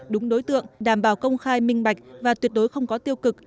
đúng đối tượng đảm bảo công khai minh bạch và tuyệt đối không có tiêu cực